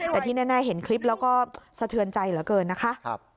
แต่ที่แน่เห็นคลิปแล้วก็สะเทือนใจเหลือเกินนะคะ